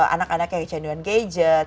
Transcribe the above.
anak anak yang kecanduan gadget